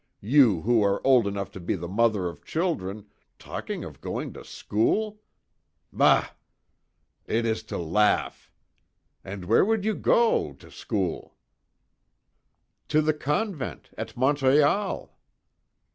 You, who are old enough to be the mother of children, talking of going to school! Bah! It is to laugh! And where would you go to school?" "To the convent, at Montreal."